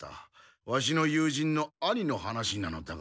ワシの友人の兄の話なのだが。